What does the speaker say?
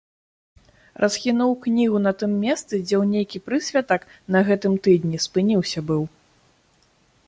Расхінуў кнігу на тым месцы, дзе ў нейкі прысвятак на гэтым тыдні спыніўся быў.